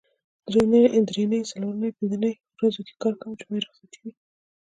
درېنۍ څلورنۍ پینځنۍ ورځو کې کار کوم جمعه روخصت وي